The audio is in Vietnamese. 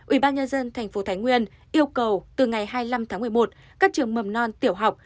ubnd thành phố thái nguyên yêu cầu từ ngày hai mươi năm tháng một mươi một các trường mầm non tiểu học